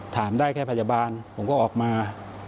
ได้แค่พยาบาลผมก็ออกมา